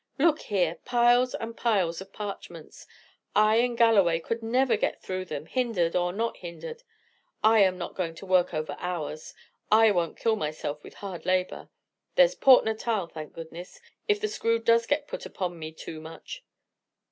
Look here! piles and piles of parchments! I and Galloway could never get through them, hindered or not hindered. I am not going to work over hours! I won't kill myself with hard labour. There's Port Natal, thank goodness, if the screw does get put upon me too much!"